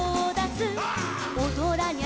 「おどらにゃ